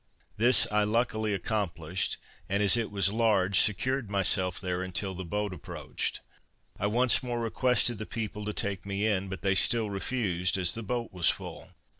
This I luckily accomplished, and as it was large secured myself there until the boat approached. I once more requested the people to take me in, but they still refused, as the boat was full.